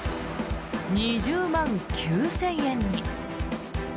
２０万９０００円に。